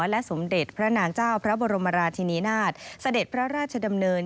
และสมเด็จพระนางเจ้าพระบรมราชินีนาฏเสด็จพระราชดำเนิน